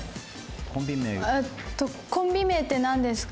コンビ名ってなんですか？